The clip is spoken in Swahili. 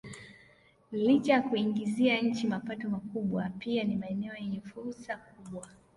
Licha ya kuiingizia nchi mapato makubwa pia ni maeneo yenye fursa kubwa